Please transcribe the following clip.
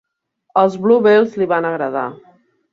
Els Bluebells li van agradar.